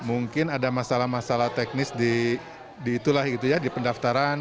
mungkin ada masalah masalah teknis di itulah gitu ya di pendaftaran